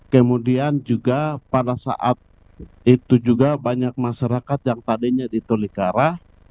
kemudian juga pada saat itu juga banyak masyarakat yang tadinya di tolikara